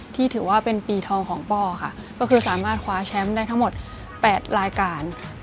ถือว่าเป็นปีทองของป้อค่ะก็คือสามารถคว้าแชมป์ได้ทั้งหมด๘รายการ